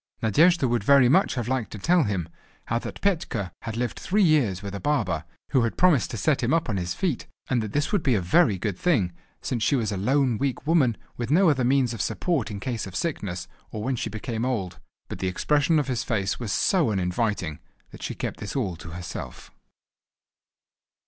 Nadejda would very much have liked to tell him, how that Petka had lived three years with a barber, who had promised to set him upon his feet; and that this would be a very good thing, since she was a lone weak woman, with no other means of support in case of sickness or when she became old. But the expression of his face was so uninviting, that she kept all this to herself.